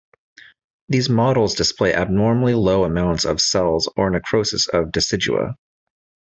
These models display abnormally low amounts of cells or necrosis of decidua.